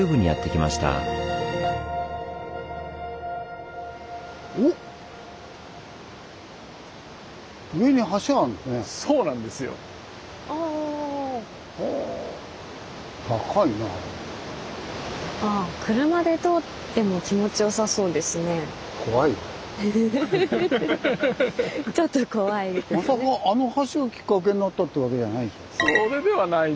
まさかあの橋がきっかけになったってわけじゃないでしょ？